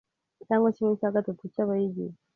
cyangwa kimwe cya gatatu cy abayigize